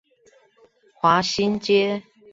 華新街